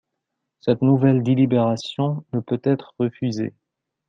Cette nouvelle délibération ne peut être refusée.